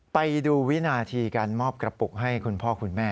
ไปดูวินาทีการมอบกระปุกให้คุณพ่อคุณแม่